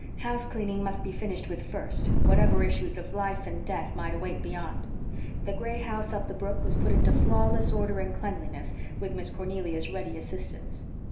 House cleaning must be finished with first, whatever issues of life and death might await beyond. The gray house up the brook was put into flawless order and cleanliness, with Miss Cornelia's ready assistance.